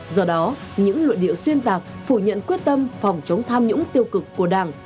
do đó những lội địa xuyên tạc phủ nhận quyết tâm phòng chống tham nhũng tiêu cực của đảng